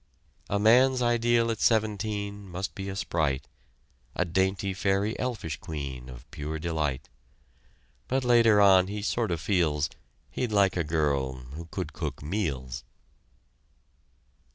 A man's ideal at seventeen Must be a sprite A dainty, fairy, elfish queen Of pure delight; But later on he sort of feels He'd like a girl who could cook meals.